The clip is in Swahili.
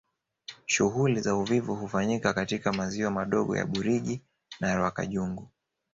Shughuli za uvuvi hufanyika katika maziwa madogo ya Burigi na Rwakajunju